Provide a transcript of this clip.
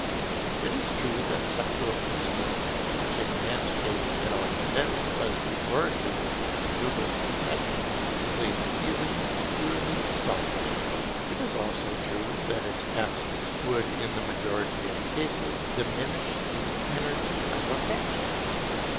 It is true that sexual instinct, which, in man's case at all events, was the origin of conjugal attachment, is a feeling purely selfish. It is also true that its absence would in the majority of cases, diminish the energy of affection.